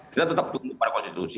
kita tetap tunggu pada konstitusi